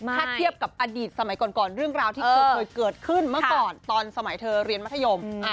ถ้าเทียบกับอดีตสมัยก่อนเรื่องราวที่เคยเกิดขึ้นเมื่อก่อนตอนสมัยเธอเรียนมัธยม